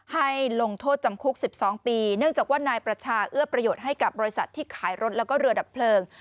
ให้ลงโทษจำคุก๑๒ปีเนื่องจากว่านายประชาเอื้อประโยชน์ให้กับบริษัทที่ขายรถแล้วก็เรือดับเพลิง